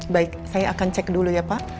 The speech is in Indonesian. baik saya akan cek dulu ya pak